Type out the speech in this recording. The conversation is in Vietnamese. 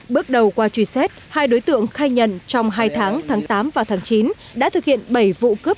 bước đầu qua truy xét hai đối tượng khai nhận trong hai tháng tháng tám và tháng chín đã thực hiện bảy vụ cướp